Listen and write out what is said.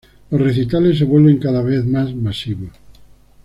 Los recitales se vuelven cada vez más masivos.